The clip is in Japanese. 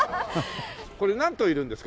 これ何頭いるんですか？